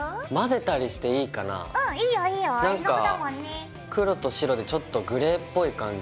なんか黒と白でちょっとグレーっぽい感じ。